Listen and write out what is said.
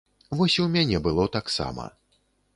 Вось і ў мяне было таксама.